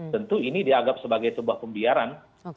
tentu ini dianggap sebagai sebuah pembiaran